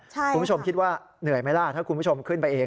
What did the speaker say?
คุณผู้ชมคิดว่าเหนื่อยไหมล่ะถ้าคุณผู้ชมขึ้นไปเอง